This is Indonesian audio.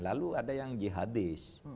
lalu ada yang jihadis